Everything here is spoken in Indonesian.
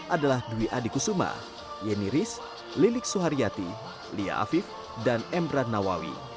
adalah dwi adi kusuma yeni riz lilik suharyati lia afif dan emra nawawi